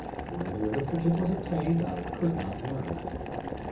Where the arithmetic was obtained I could not learn.